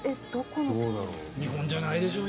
日本じゃないでしょう